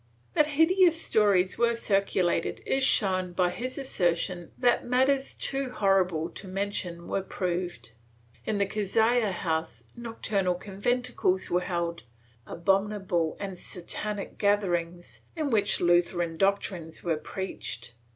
That hideous stories were circulated is shown by his assertion that matters too horrible to mention were proved; in the Cazalla house nocturnal conventicles were held, abominable and Satanic gatherings, in which Lutheran doctrines were preached.